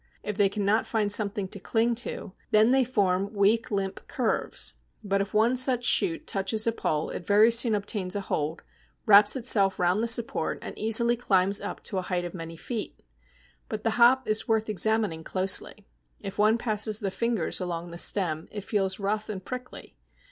If they cannot find something to cling to, then they form weak limp curves, but if one such shoot touches a pole it very soon obtains a hold, wraps itself round the support, and easily climbs up to a height of many feet. But the Hop is worth examining closely. If one passes the fingers along the stem, it feels rough and prickly.